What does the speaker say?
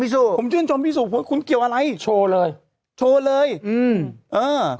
สู่ผมชื่นชมพี่สุว่าคุณเกี่ยวอะไรโชว์เลยโชว์เลยอืมเออ